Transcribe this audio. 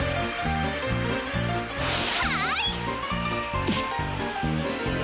はい！